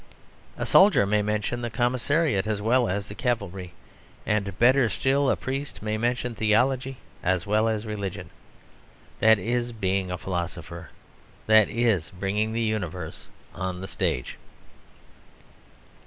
A soldier may mention the commissariat as well as the cavalry; and, better still, a priest may mention theology as well as religion. That is being a philosopher; that is bringing the universe on the stage.